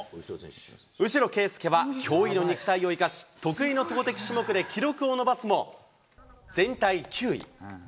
右代啓祐は驚異の肉体を生かし、得意の投てき種目で記録を伸ばすも、全体９位。